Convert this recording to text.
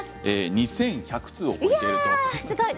２１００通を超えています。